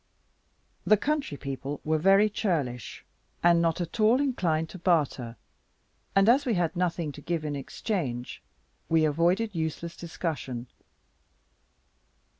The country people were very churlish, and not at all inclined to barter; and as we had nothing to give in exchange, we avoided useless discussion.